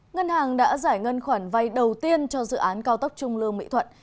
ngân hàng đã giải ngân khoản vay đầu tiên cho dự án cao tốc trung lương mỹ thuận